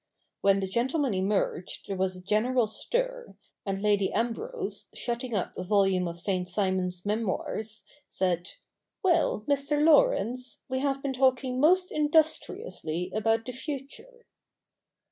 When the gentlemen emerged there was a general stir, and Lady Ambrose, shutting up a volume of St. Simon's Memoirs, said, 'Well, Mr. Laurence, we have been talking most industriously about the future.'